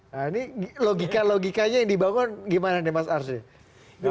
nah ini logika logikanya yang dibangun gimana nih mas arsya